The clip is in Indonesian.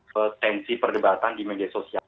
potensi perdebatan di media sosial